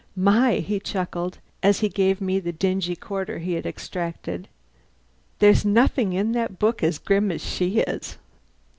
"My!" he chuckled, as he gave me the dingy quarter he had extracted. "There's nothing in that book as grim as she is!"